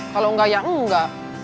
kalo enggak ya enggak